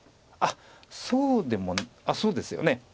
あっそうでもそうですよね。